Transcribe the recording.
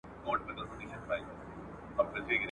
هغه ښار چي تا په خوب کي دی لیدلی ,